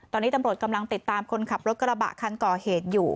ตอนนี้ตำรวจกำลังติดตามคนขับรถกระบะคันก่อเหตุอยู่